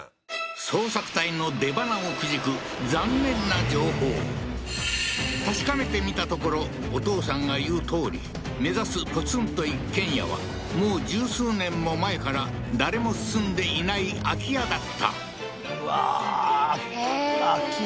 捜索隊の出ばなをくじく残念な情報確かめてみたところお父さんが言うとおり目指すポツンと一軒家はもう十数年も前から誰も住んでいない空き家だったうわーええー